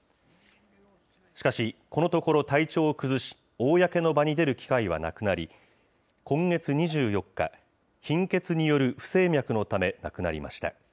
しかし、このところ体調を崩し、公の場に出る機会はなくなり、今月２４日、貧血による不整脈のため亡くなりました。